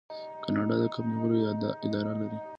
کاناډا د کب نیولو اداره لري.